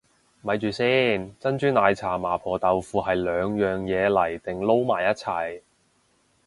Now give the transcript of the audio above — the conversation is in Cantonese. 咪住先，珍珠奶茶麻婆豆腐係兩樣嘢嚟定撈埋一齊